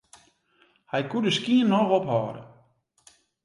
Hy koe de skyn noch ophâlde.